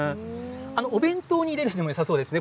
お弁当に入れてもよさそうですね。